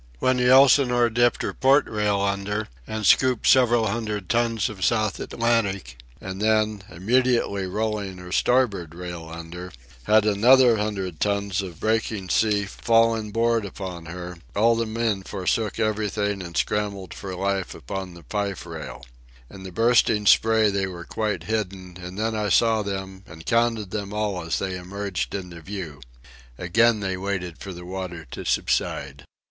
When the Elsinore dipped her port rail under and scooped several hundred tons of South Atlantic, and then, immediately rolling her starboard rail under, had another hundred tons of breaking sea fall in board upon her, all the men forsook everything and scrambled for life upon the fife rail. In the bursting spray they were quite hidden; and then I saw them and counted them all as they emerged into view. Again they waited for the water to subside.